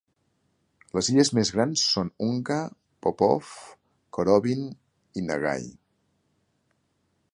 Les illes més grans són Unga, Popof, Korovin i Nagai.